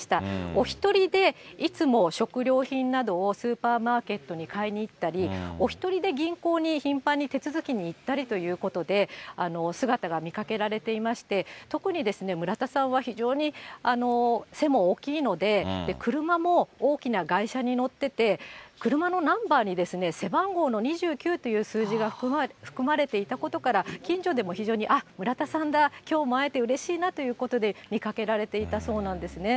お１人でいつも食料品などをスーパーマーケットに買いに行ったり、お１人で銀行に頻繁に手続きに行ったりということで、姿が見かけられていまして、特に村田さんは、非常に背も大きいので、車も大きな外車に乗ってて、車のナンバーに背番号の２９という数字が含まれていたことから、近所でも非常に、あっ、村田さんだ、きょうも会えてうれしいなということで、見かけられていたそうなんですね。